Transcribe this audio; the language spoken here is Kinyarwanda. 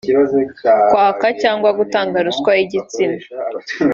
kwaka cyangwa gutanga ruswa y’igitsina